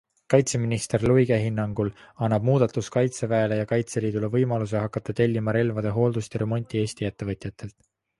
Kaitseminister Luige hinnangul annab muudatus kaitseväele ja Kaitseliidule võimaluse hakata tellima relvade hooldust ja remonti Eesti ettevõtjatelt.